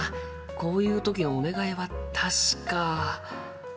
こういう時のお願いは確か。